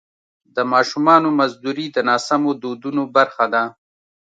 د ماشومانو مزدوري د ناسمو دودونو برخه ده.